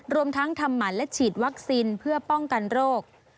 รวมทั้งทำหมันและฉีดวัคซีนเพื่อป้องกันโรค